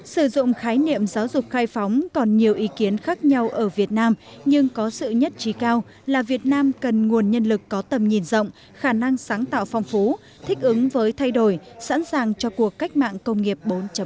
sử dụng khái niệm giáo dục khai phóng còn nhiều ý kiến khác nhau ở việt nam nhưng có sự nhất trí cao là việt nam cần nguồn nhân lực có tầm nhìn rộng khả năng sáng tạo phong phú thích ứng với thay đổi sẵn sàng cho cuộc cách mạng công nghiệp bốn